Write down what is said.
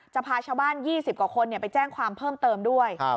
พาชาวบ้าน๒๐กว่าคนไปแจ้งความเพิ่มเติมด้วย